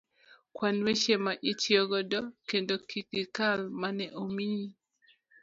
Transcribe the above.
kwan weche ma itiyo godo kendo kik gikal mane omiyi.